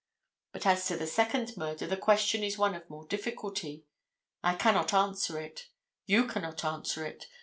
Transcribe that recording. But as to the second murder the question is one of more difficulty. I cannot answer it. You cannot answer it.